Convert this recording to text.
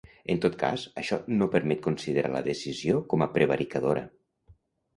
En tot cas, això ‘no permet considerar la decisió com a prevaricadora’.